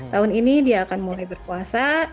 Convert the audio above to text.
tahun ini dia akan mulai berpuasa